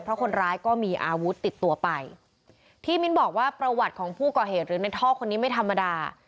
เพราะคนร้ายก็มีอาวุธติดตัวไปที่มิ้นบอกว่าประวัติของผู้ก่อเหตุหรือในท่อคนนี้ไม่ธรรมดา